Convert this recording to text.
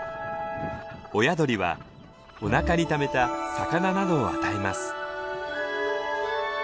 親鳥はおなかにためた魚などを与えます。